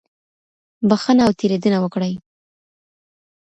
بښنه او تېرېدنه وکړئ.